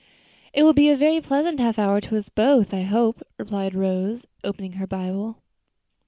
"It will be a very pleasant half hour to both of us, I hope," replied Rose, opening her Bible.